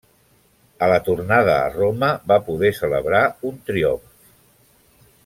A la tornada a Roma va poder celebrar un triomf.